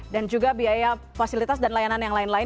dan juga biaya fasilitas dan layanan yang lain lain